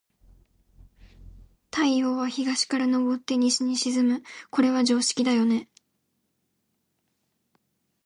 太陽は、東から昇って西に沈む。これは常識だよね。